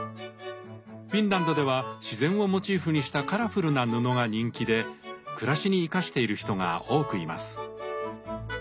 フィンランドでは自然をモチーフにしたカラフルな布が人気で暮らしに生かしている人が多くいます。